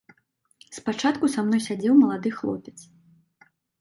Спачатку са мной сядзеў малады хлопец.